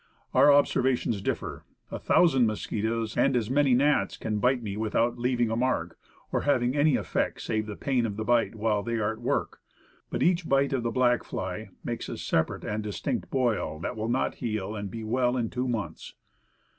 Our observations differ. A thousand mosquitoes and as many gnats can bite me without leaving a mark, or having any effect save the pain of the bite while they are at work. But each bite of the black fly makes a separate and distinct boil, that will not heal and be well in two months.